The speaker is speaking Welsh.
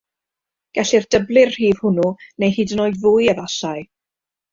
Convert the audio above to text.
Gellid dyblu'r rhif hwnnw neu hyd yn oed fwy efallai.